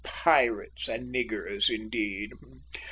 Pirates and niggers, indeed!